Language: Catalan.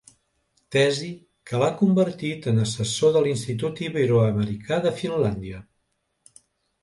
Tesi que l'ha convertit en assessor de l'Institut Iberoamericà de Finlàndia.